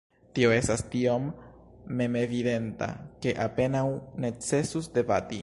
Tio estas tiom memevidenta, ke apenaŭ necesus debati.